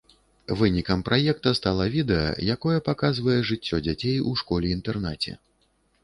Вынікам праекта стала відэа, якое паказвае жыццё дзяцей у школе-інтэрнаце.